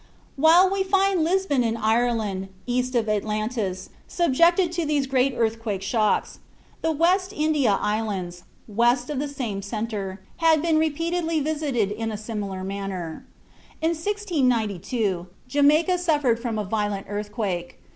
While we find Lisbon and Ireland, east of Atlantis, subjected to these great earthquake shocks, the West India Islands, west of the same centre, have been repeatedly visited in a similar manner. In 1692 Jamaica suffered from a violent earthquake.